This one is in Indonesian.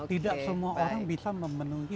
tidak semua orang bisa memenuhi